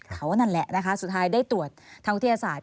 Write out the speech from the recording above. เขานั่นแหละนะคะสุดท้ายได้ตรวจทางวิทยาศาสตร์